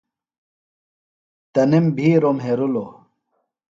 تنِم بِھیروۡ مھیرِلوۡ۔